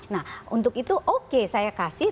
nah untuk itu oke saya kasih